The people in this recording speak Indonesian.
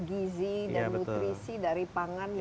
gizi dan nutrisi dari pangan